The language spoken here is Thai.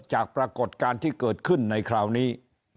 ปรากฏการณ์ที่เกิดขึ้นในคราวนี้